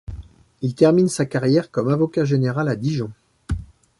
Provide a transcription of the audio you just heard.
Il termine sa carrière comme avocat général à Dijon.